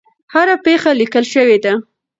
هره پېښه لیکل شوې ده.